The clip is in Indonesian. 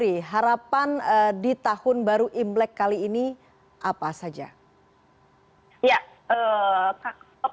eee eee tidak lengkap rasanya ya kalau kita bicara soal harapan baru